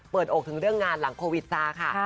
อกถึงเรื่องงานหลังโควิดซาค่ะ